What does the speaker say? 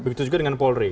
begitu juga dengan polri